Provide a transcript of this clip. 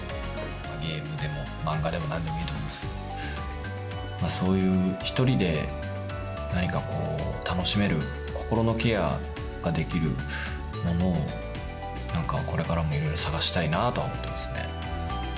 ゲームでも漫画でもなんでもいいと思うんですけど、そういう１人で何かこう楽しめる、心のケアができるものを、なんかこれからもいろいろ探したいなとは思ってますね。